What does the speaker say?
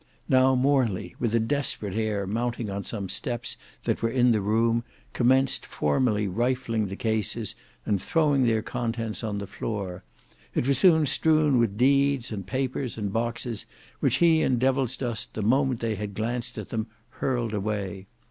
Now Morley with a desperate air mounting on some steps that were in the room, commenced formally rifling the cases and throwing their contents on the floor; it was soon strewn with deeds and papers and boxes which he and Devilsdust the moment they had glanced at them hurled away.